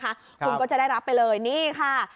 คุณก็จะได้รับไปเลยนี่ค่ะ